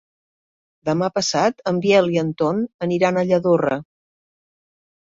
Demà passat en Biel i en Ton aniran a Lladorre.